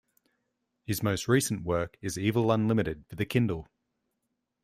His most recent work is Evil Unlimited for the Kindle.